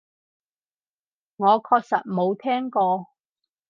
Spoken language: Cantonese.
我確實冇聽過